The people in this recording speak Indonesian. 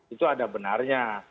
itu ada benarnya